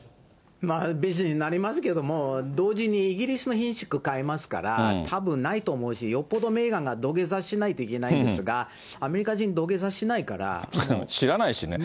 まあビジネスになりますけど、同時にイギリスのひんしゅく買いますから、たぶんないと思うし、よっぽどメーガンが土下座しないといけないんですが、アメリカ人、知らないしね。